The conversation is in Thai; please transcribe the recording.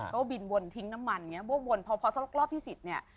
ก็บินวนทิ้งน้ำมันเนี่ยวนพอสักรอบที่สิทธิ์เนี่ย